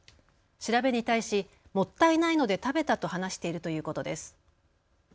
調べに対しもったいないので食べたと話しているということです。